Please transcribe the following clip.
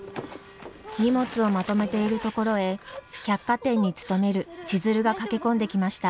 荷物をまとめているところへ百貨店に勤める千鶴が駆け込んできました。